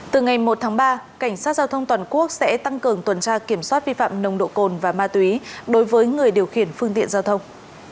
từ ngày một tháng ba cảnh sát giao thông toàn quốc sẽ tăng cường tuần tra kiểm soát vi phạm nồng độ cồn và ma túy đối với người điều khiển phương tiện giao thông